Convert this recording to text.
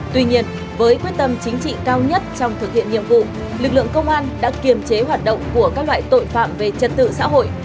tuy nhiên với quyết tâm chính trị cao nhất trong thực hiện nhiệm vụ lực lượng công an đã kiềm chế hoạt động của các loại tội phạm về trật tự xã hội